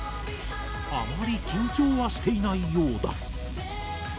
あまり緊張はしていないようだ。